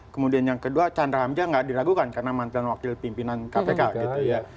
kemudian yang kedua chandra hamja nggak diragukan karena mantan wakil pimpinan kpk gitu ya